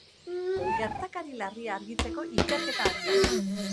Gertakari larria argitzeko ikerketa abian da.